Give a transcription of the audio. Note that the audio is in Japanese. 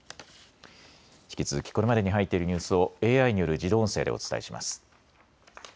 引き続きこれまでに入っているニュースをＡＩによる自動音声でお伝えします。